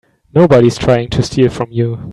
Nobody's trying to steal from you.